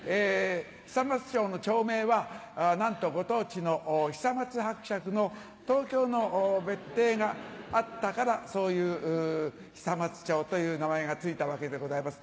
久松町の町名はなんとご当地の久松伯爵の東京の別邸があったからそういう久松町という名前が付いたわけでございます。